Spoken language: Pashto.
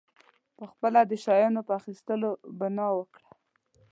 پخپله د شیانو په اخیستلو بنا وکړه.